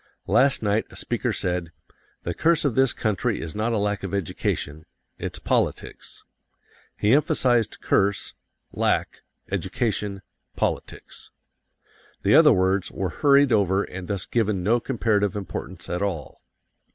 Last night a speaker said: "The curse of this country is not a lack of education. It's politics." He emphasized curse, lack, education, politics. The other words were hurried over and thus given no comparative importance at all.